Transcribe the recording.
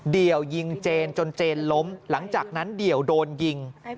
เดี่ยวยิงเจนจนเจนล้มหลังจากนั้นเดี่ยวโดนยิง